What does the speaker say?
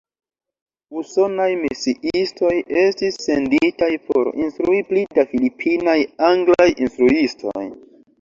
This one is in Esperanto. Usonaj misiistoj estis senditaj por instrui pli da filipinaj anglaj instruistoj.